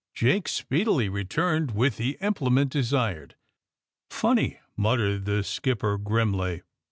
Jake speedily returned with the implement desired. *^ Funny!" muttered the skipper grimly.